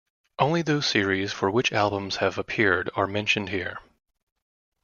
Only those series for which albums have appeared are mentioned here.